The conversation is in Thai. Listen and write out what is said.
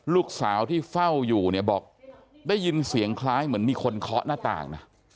ลูกสาวที่เฝ้าอยู่เนี่ยบอกได้ยินเสียงคล้ายเหมือนมีคนเคาะหน้าต่างนะ